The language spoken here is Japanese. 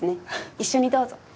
一緒にどうぞ。